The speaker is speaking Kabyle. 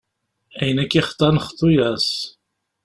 Ayen i k-ixḍan, xḍu-as.